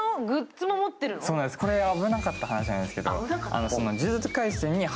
これ、危なかった話なんですけど。